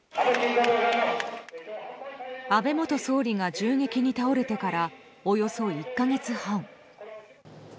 安倍元総理が銃撃に倒れてからおよそ１か月半。